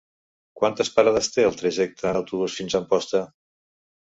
Quantes parades té el trajecte en autobús fins a Amposta?